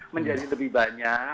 menjadi lebih banyak